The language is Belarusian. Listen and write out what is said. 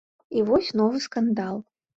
І вось новы скандал.